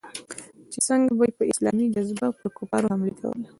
چې څنگه به يې په اسلامي جذبه پر کفارو حملې کولې.